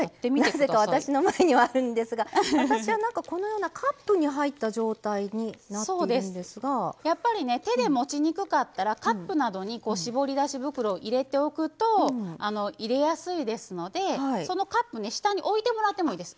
なぜか私の前にあるんですが私はこのようなカップに入った状態になっているんですがやっぱり手で持ちにくかったらカップなどに絞り出し袋を入れておくと入れやすいですのでそのカップ、下に置いてもらってもいいです。